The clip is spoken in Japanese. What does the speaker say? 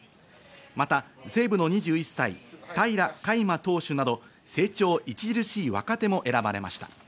また西武の２１歳、平良海馬投手など成長著しい若手も選ばれました。